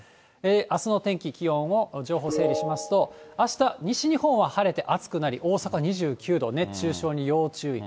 あすの天気、気温を情報整理しますと、あした、西日本は晴れて暑くなり、大阪２９度、熱中症に要注意。